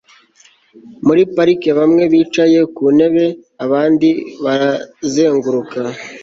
Muri parike bamwe bicaye ku ntebe abandi barazenguruka